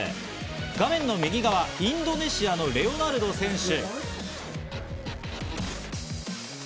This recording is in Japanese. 画面右側、インドネシアのレオナルド選手。